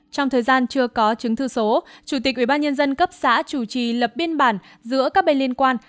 trong thời gian chưa có chứng thư số chủ tịch ubnd cấp xã chủ trì lập biên bản giữa các bên liên quan